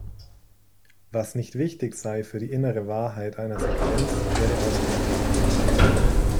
Was nicht wichtig sei für die innere Wahrheit einer Sequenz, werde ausgespart.